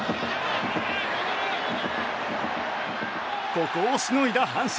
ここをしのいだ阪神。